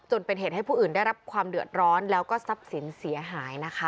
จนเป็นเหตุให้ผู้อื่นได้รับความเดือดร้อนแล้วก็ทรัพย์สินเสียหายนะคะ